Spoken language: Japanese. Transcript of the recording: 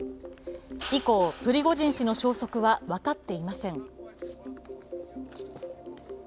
以降、プリゴジン氏の消息は分かっていません。